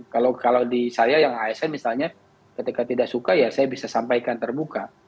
kalau di saya yang asn misalnya ketika tidak suka ya saya bisa sampaikan terbuka